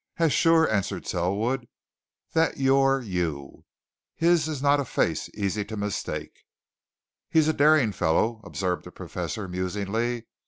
"As sure," answered Selwood, "as that you're you! His is not a face easy to mistake." "He's a daring fellow," observed the Professor, musingly.